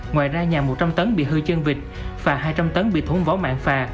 ngoài ra nhà một trăm linh tấn bị hư chân vịt phà hai trăm linh tấn bị thốn vó mạng phà